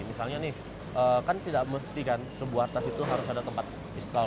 misalnya nih kan tidak mesti kan sebuah tas itu harus ada tempat install